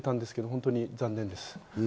本当に残念です。